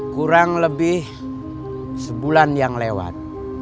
kurang lebih sebulan yang lewat